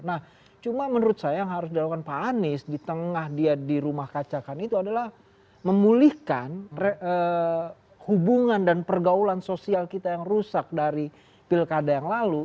nah cuma menurut saya yang harus dilakukan pak anies di tengah dia di rumah kacakan itu adalah memulihkan hubungan dan pergaulan sosial kita yang rusak dari pilkada yang lalu